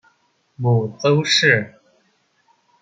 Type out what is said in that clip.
母邹氏。